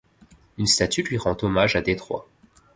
Une statue lui rend hommage à Détroit.